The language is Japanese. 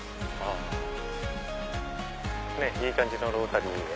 いい感じのロータリーで。